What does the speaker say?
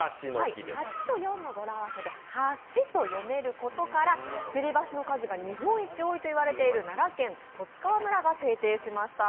「８」と「４」の語呂合わせではしと読めることから、吊り橋の数が日本一多いといわれている奈良県十津川村が制定しました。